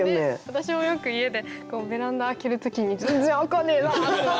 私もよく家でベランダ開ける時に全然開かねえなって。